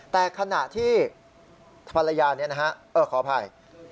แต่ขณะที่ภรรยานี้นะฮะขออภัย